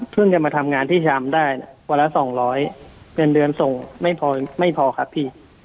จะมาทำงานที่ชามได้วันละ๒๐๐เงินเดือนส่งไม่พอครับพี่